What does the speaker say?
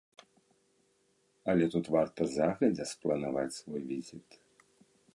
Але тут варта загадзя спланаваць свой візіт.